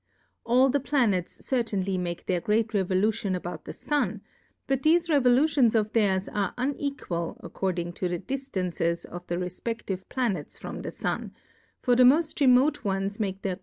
All the Planets certain ly make their great Revolution about the Sun , but thefe Revolutions of theirs are unequal according to the Diftances of the refpeftive Planets from the Sun ; for the moft remote ones make their Courfe Plurality ^/WORLDS. 17?